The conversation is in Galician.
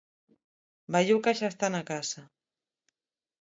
Baiuca xa está na casa.